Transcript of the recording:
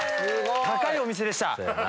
高いお店でした。